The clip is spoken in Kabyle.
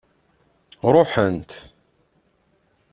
Ṛuḥent.